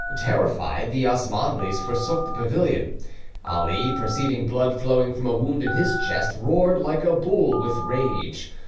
Terrified, the Osmanlis forsook the pavilion. Ali, perceiving blood flowing from a wound in his chest, roared like a bull with rage.